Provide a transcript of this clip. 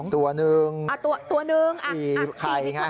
๑๔๒ตัวหนึ่งตัวหนึ่ง๔ฟอง